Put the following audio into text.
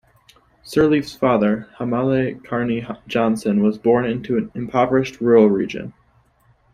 Sirleaf's father, Jahmale Carney Johnson, was born into an impoverished rural region.